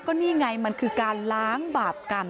อันนี้ไงมันคือการล้างบาปร์